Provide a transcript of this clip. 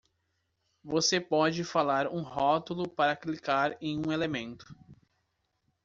Você pode falar um rótulo para clicar em um elemento.